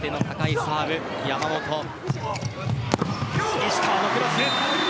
石川のクロス。